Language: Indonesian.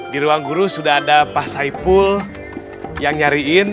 di ruang guru sudah ada pak saipul yang nyariin